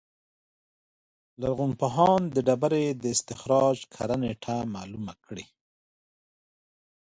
لرغونپوهان د ډبرې د استخراج کره نېټه معلومه کړي.